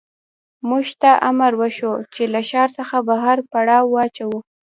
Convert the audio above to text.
موږ ته امر وشو چې له ښار څخه بهر پړاو واچوو